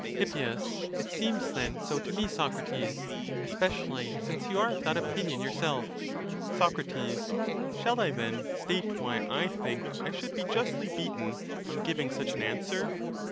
Hip. It seems then so to me, Socrates ; especially since you are of that opinion yourself. Soc. Shall I then state why I think I should be justly beaten, on giving such an answer?